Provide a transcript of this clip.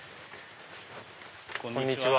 こんにちは。